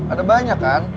ada banyak kan